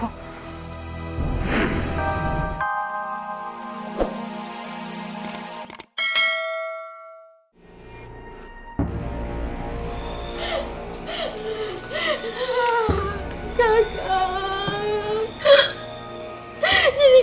tiga ketakutan terbesar